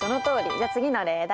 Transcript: じゃ次の例題。